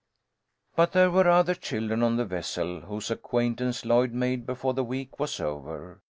But there were other children on the vessel whose acquaintance Lloyd made before the week was over.